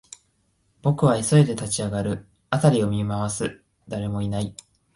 僕は急いで立ち上がる、辺りを見回す、誰もいない